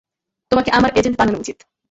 তোমাকে আমার এজেন্ট বানানো উচিত।